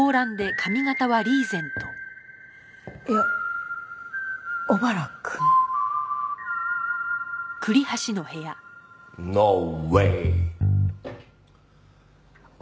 いや小原くん？ノーウェイ！